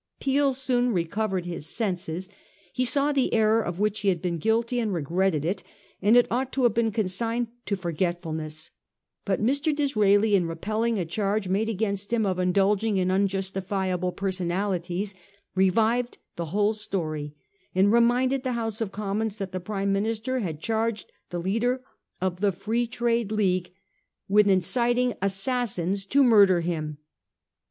Peel soon recovered his senses. He saw the error of which he had been guilty and re gretted it ; and it ought to have been consigned to forgetfulness ; but Mr. Disraeli in repelling a charge made against him of indulging in unjustifiable perso nalities, revived the whole story and reminded the House of Commons that the Prime Minister had charged the leader of the Free Trade League with in 1816. TRIUMPH OF THE MINISTRY. 409 citing assassins to murder Mm.